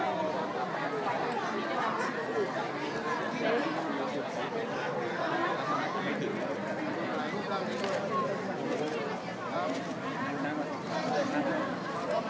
และที่อยู่ด้านหลังคุณยิ่งรักนะคะก็คือนางสาวคัตยาสวัสดีผลนะคะ